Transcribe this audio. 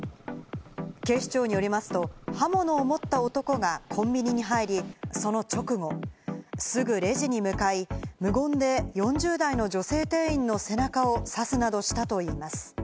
警視庁によりますと、刃物を持った男がコンビニに入り、その直後、すぐレジに向かい、無言で４０代の女性店員の背中を刺すなどしたといいます。